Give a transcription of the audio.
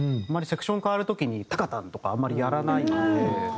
あんまりセクション変わる時にタカタンとかあんまりやらないんで。